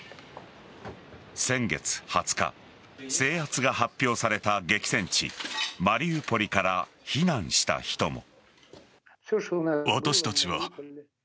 先月２０日、制圧が発表された激戦地・マリウポリから避難した人も。